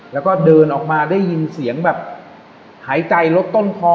แล้วก็เดินออกมาได้ยินเสียงให้ใจรถต้นพ้อ